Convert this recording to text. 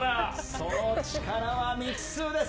その力は未知数です。